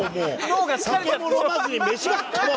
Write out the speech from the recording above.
酒も飲まずに飯ばっかもう。